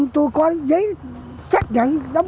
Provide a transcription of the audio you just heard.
sáu mươi năm tuổi con giấy xác nhận